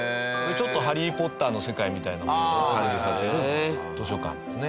ちょっと『ハリー・ポッター』の世界みたいなものを感じさせる図書館ですね。